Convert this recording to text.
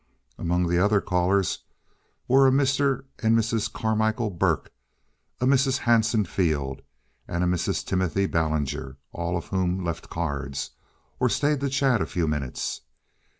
Among the other callers were a Mr. and Mrs. Carmichael Burke, a Mrs. Hanson Field, and a Mrs. Timothy Ballinger—all of whom left cards, or stayed to chat a few minutes.